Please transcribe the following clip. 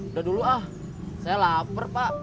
udah dulu ah saya lapar pak